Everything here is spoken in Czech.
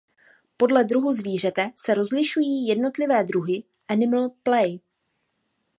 Podle druhu zvířete se rozlišují jednotlivé druhy animal play.